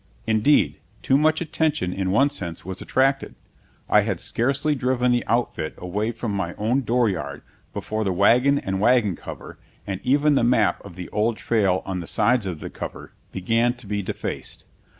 Indeed, too much attention, in one sense, was attracted. I had scarcely driven the outfit away from my own dooryard before the wagon and wagon cover, and even the map of the old trail on the sides of the cover, began to be defaced.